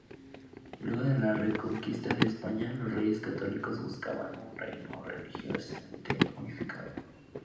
Luego de la Reconquista de España, los Reyes Católicos buscaban un reino religiosamente unificado.